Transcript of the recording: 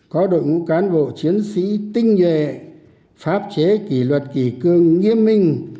có đội ngũ cán bộ chiến sĩ tinh nhuệ pháp chế kỷ luật kỷ cương nghiêm minh